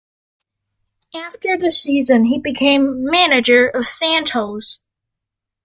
After the season, he became manager of Santos.